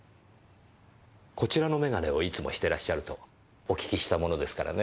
こちらの眼鏡をいつもしてらっしゃるとお聞きしたものですからね。